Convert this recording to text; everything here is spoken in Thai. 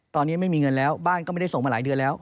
ตอนนี้ไม่มีเงินแล้วบ้านก็ไม่ได้ส่งมาหลายเดือนแล้ว